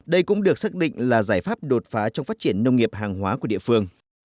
đây cũng được xác định là giải pháp đột phá trong phát triển nông nghiệp hàng hóa của địa phương